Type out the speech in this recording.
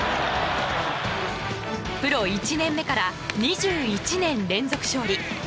プロ１年目から２１年連続勝利。